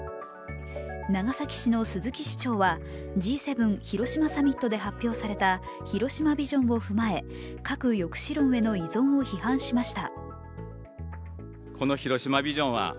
長崎市の鈴木市長はＧ７広島サミットで発表された広島ビジョンを踏まえ、核抑止論への依存を批判しました。